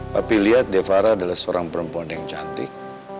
papi liat de farah adalah seorang perempuan yang cantik